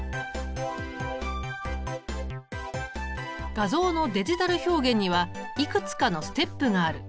画像のデジタル表現にはいくつかのステップがある。